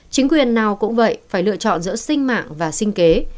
chính quyền nào cũng vậy phải lựa chọn giữa sinh mạng và sinh kế